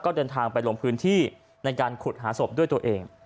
เดินทางไปลงพื้นที่ในการขุดหาศพด้วยตัวเอง